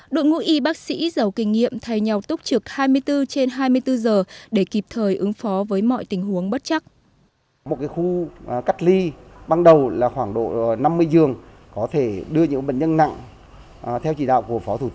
đội ngũ y bác sĩ giàu kinh nghiệm thay nhau túc trực hai mươi bốn trên hai mươi bốn giờ để kịp thời ứng phó với mọi tình huống bất chắc